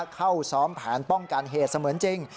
เข้าซ้อมแผนป้องกันเหตุเสมือนจริง